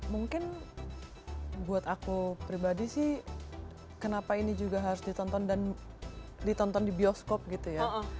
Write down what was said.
mungkin buat aku pribadi sih kenapa ini juga harus ditonton dan ditonton di bioskop gitu ya